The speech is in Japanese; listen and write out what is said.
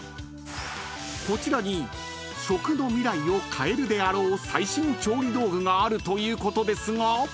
［こちらに食の未来を変えるであろう最新調理道具があるということですが］